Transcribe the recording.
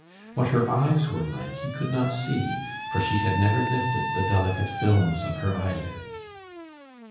What her eyes were like he could not see, for she had never lifted the delicate films of her eyelids.